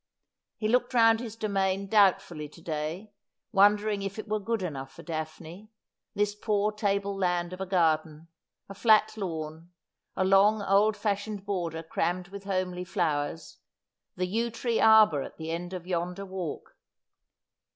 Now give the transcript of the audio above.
He looked round his domain doubtfully to day, wondering if it were good enough for Daphne, this poor table land of a garden, a flat lawn, a long old fashioned border crammed with homely flowers, the yew tree arbour at the end of yonder walk.